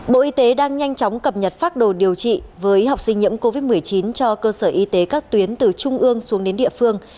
bộ y tế đang nhanh chóng cập nhật pháp đồ điều trị với học sinh nhiễm covid một mươi chín cho cơ sở y tế các tuyến từ trung ương xuống đến địa phương